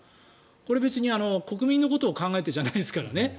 これは別に国民のことを考えてじゃないですからね。